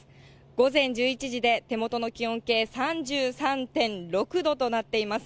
午前１１時で、手元の気温計３３．６度となっています。